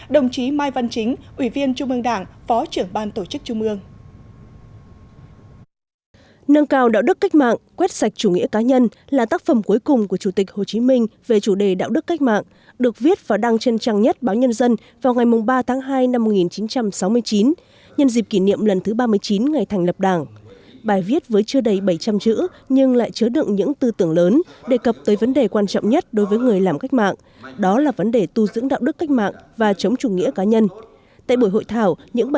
đồng chí mai văn chính ủy viên trung ương đảng phó trưởng ban tổ chức trung ương